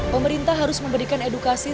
pemerintah harus memberikan edukasi